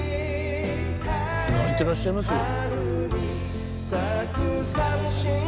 泣いてらっしゃいますよ。